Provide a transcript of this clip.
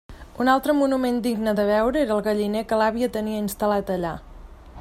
Un altre monument digne de veure era el galliner que l'àvia tenia instal·lat allà.